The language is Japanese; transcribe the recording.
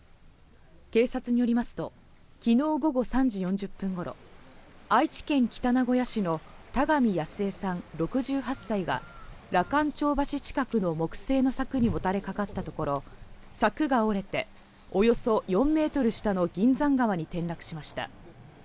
警察によりますと昨日午後３時４０分頃、愛知県北名古屋市の田上やすえさん、６８歳が羅漢町橋近くの木製の柵にもたれかかったところ、柵が折れて、およそ４メートル下の銀山川に転落しました。